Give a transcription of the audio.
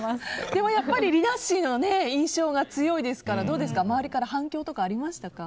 でも、やっぱりりなっしーの印象が強いですから周りから反響とかありましたか？